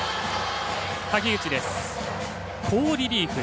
滝口です、好リリーフ。